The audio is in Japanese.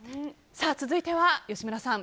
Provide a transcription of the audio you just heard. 続いては吉村さん